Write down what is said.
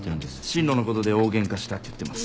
進路のことで大ゲンカしたって言ってます。